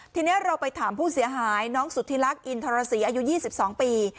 ทีนี้เราไปถามผู้เสียหายน้องสุธิลักษ์อินทรศรีอายุ๒๒ปี